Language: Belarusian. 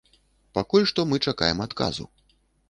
Пакуль што мы чакаем адказу.